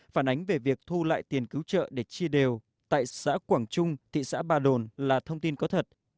phản ánh về việc thu lại tiền cứu trợ để chia đều tại xã quảng trung thị xã ba đồn là thông tin có thật